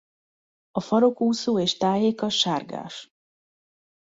A farokúszó és tájéka sárgás.